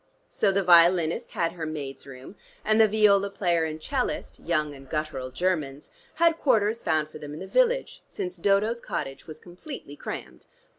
So the violinist had her maid's room and the viola player and 'cellist, young and guttural Germans, had quarters found for them in the village, since Dodo's cottage was completely crammed.